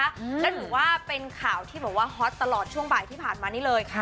และถือว่าเป็นข่าวที่บอกว่าฮอตตลอดช่วงบ่ายที่ผ่านมานี่เลย